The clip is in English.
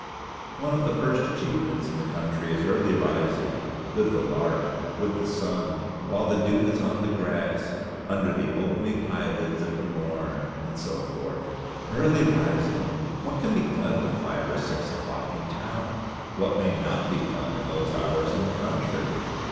One of the first achievements in the country is early rising: with the lark with the sun while the dew is on the grass, "under the opening eye lids of the morn," and so forth. Early rising! What can be done with five or six o'clock in town? What may not be done at those hours in the country?